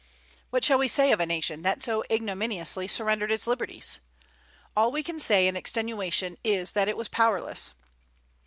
What shall we say of a nation that so ignominiously surrendered its liberties? All we can say in extenuation is that it was powerless.